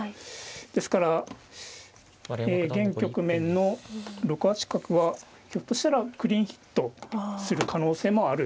ですから現局面の６八角はひょっとしたらクリーンヒットする可能性もある。